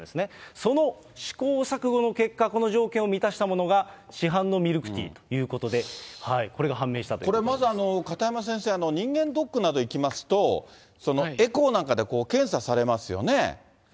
その試行錯誤の結果、この条件を満たしたものが、市販のミルクティーということで、これが判明しまず、片山先生、人間ドックなど行きますと、エコーなんかで検査されますよね。